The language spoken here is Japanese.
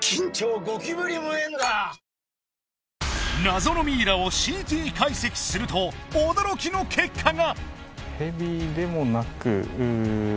謎のミイラをＣＴ解析すると驚きの結果が！